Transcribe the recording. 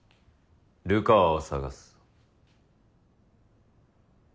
流川を探す。